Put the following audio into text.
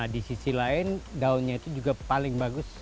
di sisi lain daunnya itu juga paling bagus